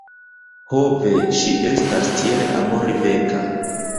Ho ve! Ŝi estas tiel amorveka!!!